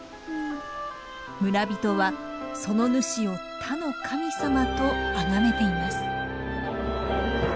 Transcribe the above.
村人はその主を「田の神様」とあがめています。